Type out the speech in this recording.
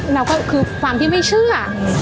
เราก็คือความที่ไม่เชื่อ